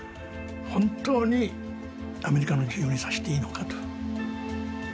本当にアメリカの自由にさせていいのかと。